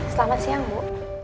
selamat siang bu